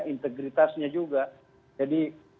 integritasnya juga jadi